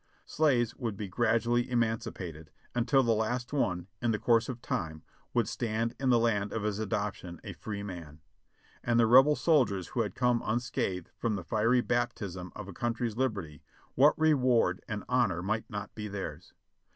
Slaves would be gradually 520 JOHNNY REB AND BIEIvY YANK emancipated, until the last one, in the course of time, would stand in the land of his adoption a free man. And the Rebel soldiers who had come unscathed from the fiery baptism of a country's liberty, what reward and honor might not be theirs?